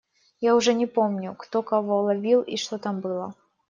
Я уже не помню, кто кого ловил и что там было.